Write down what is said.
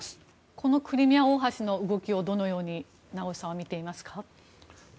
このクリミア大橋の動きをどのように名越さんは見ていますか？